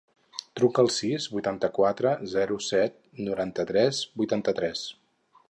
Truca al sis, vuitanta-quatre, zero, set, noranta-tres, vuitanta-tres.